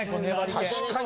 確かに。